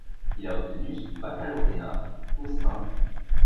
Il a obtenu son baccalauréat au St.